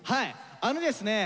あのですね